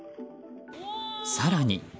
更に。